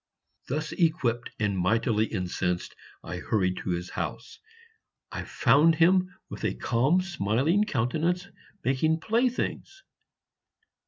Thus equipped and mightily incensed, I hurried to his house. I found him with a calm smiling countenance making playthings.